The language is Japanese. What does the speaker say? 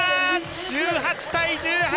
１８対１８！